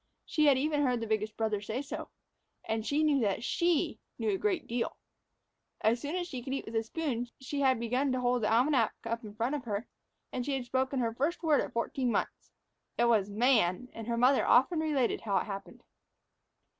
She had even heard the biggest brother say so. And she knew that she knew a great deal. As soon as she could eat with a spoon, she had begun to hold the almanac up in front of her; and she had spoken her first word at fourteen months. It was "Man," and her mother often related how it happened.